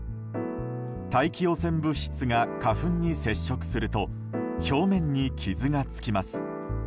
大気汚染物質が花粉に接触すると表面に傷がつきます。